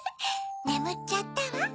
ねむっちゃったわ。